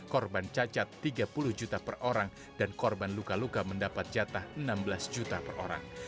korban cacat tiga puluh juta per orang dan korban luka luka mendapat jatah enam belas juta per orang